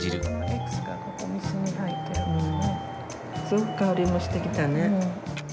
すごく香りもしてきたね。